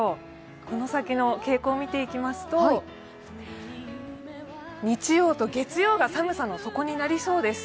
この先の傾向を見ていくと日曜と月曜が寒さの底になりそうです。